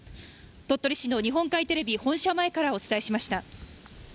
鳥取市の日本海テレビ本社前からお伝えしました。